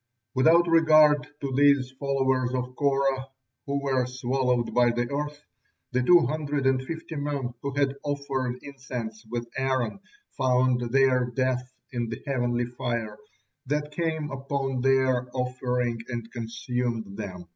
Without regard to these followers of Korah, who were swallowed up by the earth, the two hundred and fifty men who had offered incense with Aaron found their death in the heavenly fire that came down upon their offering and consumed them.